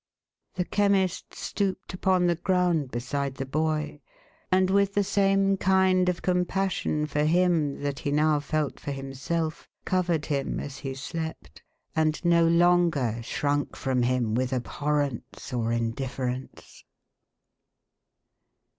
The Chemist stooped upon the ground beside the boy, and, with the same kind of compassion for him that he now felt for himself, covered him as he slept, and no longer shrunk from him with abhorrence or indifference.